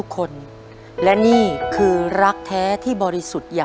การถึงความรัก